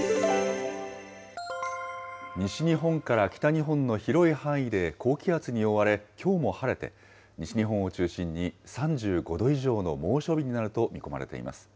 西日本から北日本の広い範囲で高気圧に覆われ、きょうも晴れて、西日本を中心に３５度以上の猛暑日になると見込まれています。